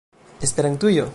esperantujo